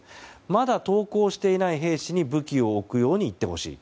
まだ投降していない兵士に武器を置くように言ってほしい。